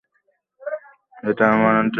এটা ওয়ারেন্ট নাকি?